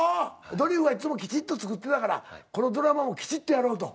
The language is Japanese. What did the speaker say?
ドリフはいつもきちっと作ってたからこのドラマもきちっとやろうと。